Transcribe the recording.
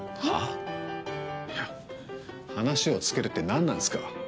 いや、話をつけるって何なんですか？